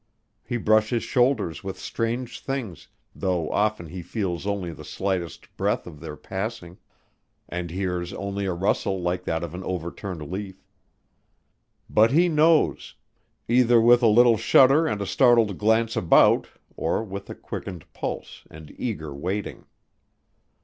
He brushes shoulders with strange things, though often he feels only the lightest breath of their passing, and hears only a rustle like that of an overturned leaf. But he knows, either with a little shudder and a startled glance about or with quickened pulse and eager waiting.